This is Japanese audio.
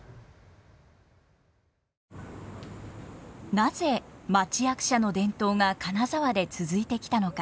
なぜ町役者の伝統が金沢で続いてきたのか。